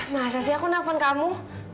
masa sih aku nelfon kamu